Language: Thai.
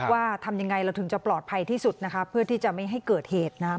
ว่าทำยังไงเราถึงจะปลอดภัยที่สุดนะคะเพื่อที่จะไม่ให้เกิดเหตุนะครับ